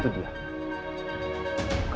aku mau tanya sama elsa